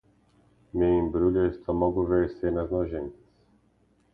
Me embrulha o estômago ver cenas nojentas.